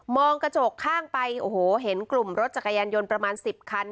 องกระจกข้างไปโอ้โหเห็นกลุ่มรถจักรยานยนต์ประมาณ๑๐คัน